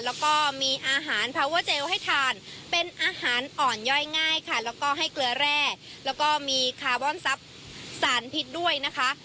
แล้วก็มีอาหารพาเวอร์เจลให้ทานเป็นอาหารอ่อนย่อยง่ายค่ะแล้วก็ให้เกลือแร่แล้วก็มีคาร์บอนซับสารพิษด้วยนะคะ